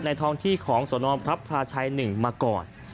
ในทองที่ของสอนอนพระพระชายหนึ่งมาก่อน